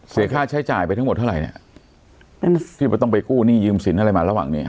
เสียค่าใช้จ่ายไปทั้งหมดเท่าไหร่เนี่ยที่ต้องไปกู้หนี้ยืมสินอะไรมาระหว่างเนี้ย